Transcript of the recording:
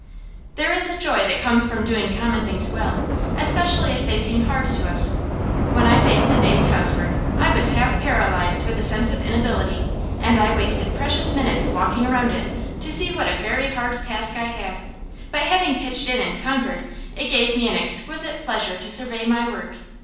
There is a joy that comes from doing common things well, especially if they seem hard to us. When I faced a day's housework I was half paralyzed with a sense of inability, and I wasted precious minutes walking around it, to see what a very hard task I had. But having pitched in and conquered, it gave me an exquisite pleasure to survey my work.